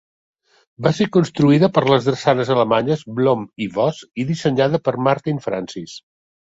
Va ser construïda per les drassanes alemanyes Blohm i Voss i dissenyada per Martin Francis.